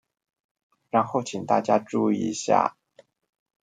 然後請大家注意一下